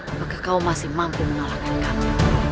apakah kau masih mampu menolongkan kami